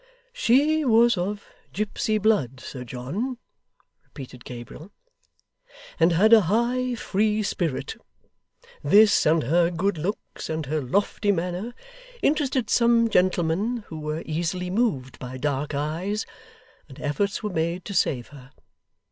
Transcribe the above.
'She was of gipsy blood, Sir John,' repeated Gabriel, 'and had a high, free spirit. This, and her good looks, and her lofty manner, interested some gentlemen who were easily moved by dark eyes; and efforts were made to save her.